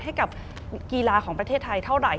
ให้กับกีฬาของประเทศไทยเท่าไหร่